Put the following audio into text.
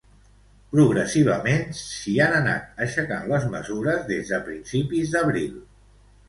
Progressivament, s'hi han anat aixecant les mesures des de principis d'abril.